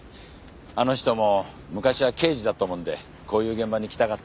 あの人も昔は刑事だったもんでこういう現場に来たがって。